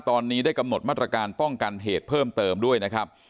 ตอนนี้ได้กำหนดมาตรการป้องกันเหตุเพิ่มเติมด้วยนะครับ